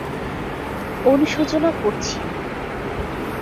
অনুশোচনা করছি।